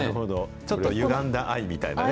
ちょっとゆがんだあいみたいなね。